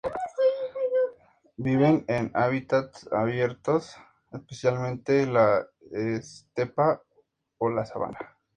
Viven en hábitats abiertos, especialmente la estepa o la sabana.